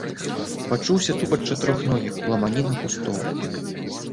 Пачуўся тупат чатырохногіх, ламаніна кустоў.